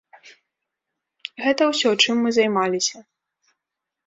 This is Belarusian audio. Гэта ўсё, чым мы займаліся.